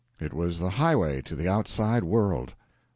It was the highway to the outside world.